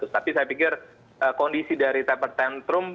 tapi saya pikir kondisi dari tepat tentrum